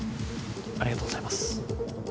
ありがとうございます。